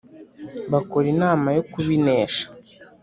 Bakora inama yo kubinesha.